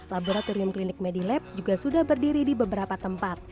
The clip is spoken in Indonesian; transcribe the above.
laboratorium klinik medilab juga sudah berdiri di beberapa tempat